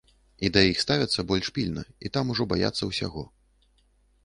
І да іх ставяцца больш пільна, і там ужо баяцца ўсяго.